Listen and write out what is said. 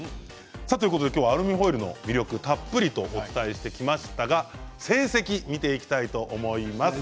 今日はアルミホイルの魅力をたっぷりとお伝えしてきましたが成績を見ていきたいと思います。